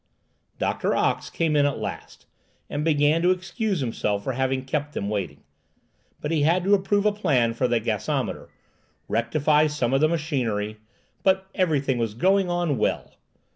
Doctor Ox came in at last, and began to excuse himself for having kept them waiting; but he had to approve a plan for the gasometer, rectify some of the machinery—But everything was going on well!